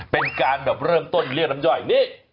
เป็นการแบบเริ่มต้นเรียกน้ำย่อยนี่